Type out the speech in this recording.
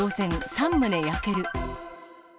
３棟焼ける。